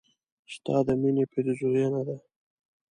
ستا د مينې پيرزوينه ده